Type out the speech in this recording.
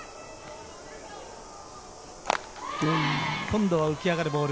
今度は浮き上がるボール。